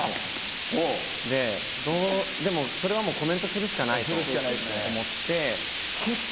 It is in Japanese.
でもそれはもうコメントするしかないと思って。